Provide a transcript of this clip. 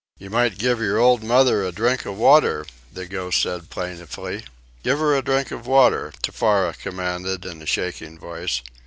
"You might give your old mother a drink of water," the ghost said plaintively. "Give her a drink of water," Tefara commanded in a shaking voice.